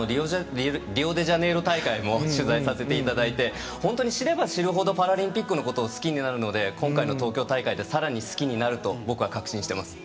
リオデジャネイロ大会も取材させていただいて本当に知れば知るほどパラリンピックのことを好きになるので今回の東京大会でさらに好きになると僕は確信しています。